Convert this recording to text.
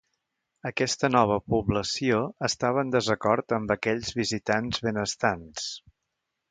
Aquesta nova població estava en desacord amb aquells visitants benestants.